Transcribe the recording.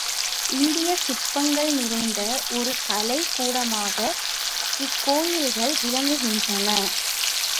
இந்திய சிற்பங்கள் நிறைந்த ஒரு கலைக் கூடமாக இக்கோயில்கள் விளங்குகின்றன.